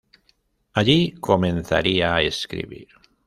Allí comenzaría a escribir.